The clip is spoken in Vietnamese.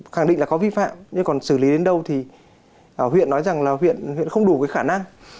khẳng định là có vi phạm nhưng còn xử lý đến đâu thì huyện nói rằng là huyện không đủ cái khả năng